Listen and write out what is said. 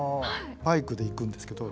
バイクで行くんですけど。